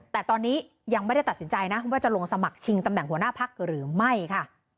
แต่ตอนนี้ยังไม่ได้ตัดสินใจนะว่าจะลงสมัครชิงตำแหน่งหัวหน้าพักหรือไม่ค่ะ